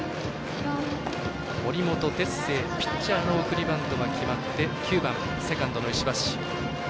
森本哲星、ピッチャーの送りバントが決まって９番セカンドの石橋。